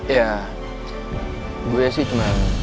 ya gue sih cuman